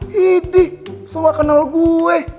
hidih semua kenal gue